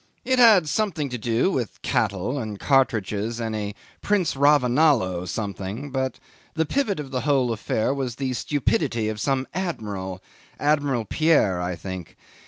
It had something to do with cattle and cartridges and a Prince Ravonalo something; but the pivot of the whole affair was the stupidity of some admiral Admiral Pierre, I think.